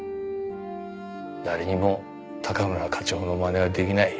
誰にも高村課長のまねはできない。